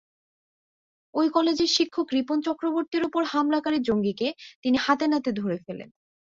ওই কলেজের শিক্ষক রিপন চক্রবর্তীর ওপর হামলাকারী জঙ্গিকে তিনি হাতেনাতে ধরে ফেলেন।